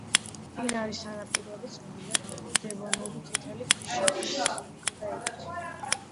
მდინარის სანაპიროები ცნობილია დევონური წითელი ქვიშაქვის კლდეებით.